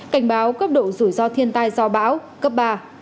cảnh báo cấp độ rủi ro thiên tai do bão cấp ba